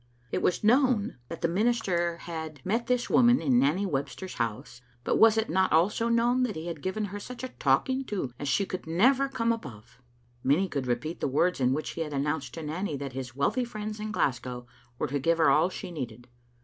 It was known that the minister had Digitized by VjOOQ IC 164 VOk little AiniBta. met this woman in Nanny Webster's house, but was it not also known that he had given her such a talking to as she could never come above? Many could repeat the words in which he had announced to Nanny that his wealthy friends in Glasgow were to give her all she needed.